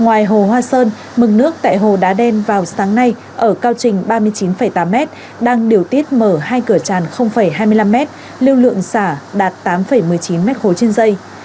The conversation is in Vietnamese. ngoài hồ hoa sơn mừng nước tại hồ đá đen vào sáng nay ở cao trình ba mươi chín tám m đang điều tiết mở hai cửa tràn hai mươi năm m lưu lượng xả đạt tám một mươi chín m ba trên dây